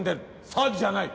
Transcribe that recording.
詐欺じゃない。